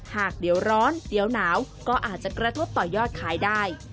หากเดี๋ยวร้อนเดี๋ยวหนาวก็อาจจะกระทบต่อยอดขายได้